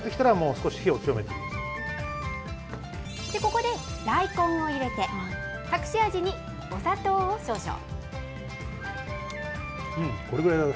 ここで大根を入れて、隠し味にお砂糖を少々。